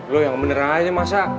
lo yang bener aja masa